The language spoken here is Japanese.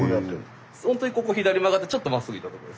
ほんとにここ左曲がってちょっとまっすぐ行ったとこです。